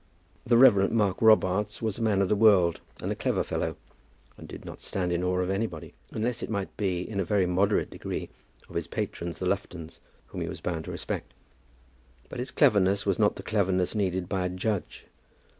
The Rev. Mark Robarts was a man of the world, and a clever fellow, and did not stand in awe of anybody, unless it might be, in a very moderate degree, of his patrons the Luftons, whom he was bound to respect; but his cleverness was not the cleverness needed by a judge.